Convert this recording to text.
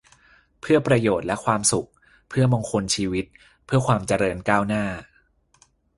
เพื่อประโยชน์และความสุข เพื่อมงคลชีวิต เพื่อความเจริญก้าวหน้า